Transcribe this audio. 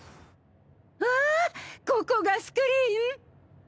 わあここがスクリーン！